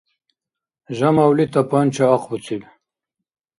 Жамавли тапанча ахъбуциб.